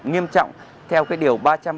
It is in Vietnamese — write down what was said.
nghiêm trọng theo cái điều